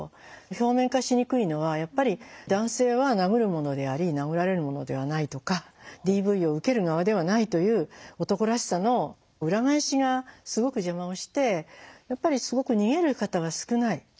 表面化しにくいのはやっぱり男性は殴るものであり殴られるものではないとかＤＶを受ける側ではないという男らしさの裏返しがすごく邪魔をしてやっぱりすごく逃げる方が少ない。